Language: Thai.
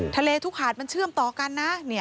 ทะเลทุกหาดมันเชื่อมต่อกันนะ